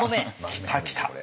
来た来た。